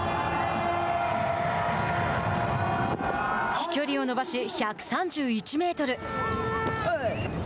飛距離を伸ばし１３１メートル。